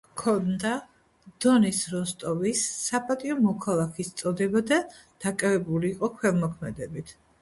ჰქონდა დონის როსტოვის საპატიო მოქალაქის წოდება და დაკავებული იყო ქველმოქმედებით.